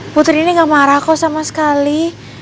putri ini gak marah kok sama sekali